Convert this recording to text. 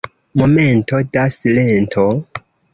Momento da silento.